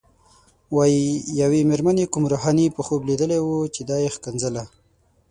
وايي یوې مېرمنې کوم روحاني په خوب لیدلی و چې دا یې ښکنځله.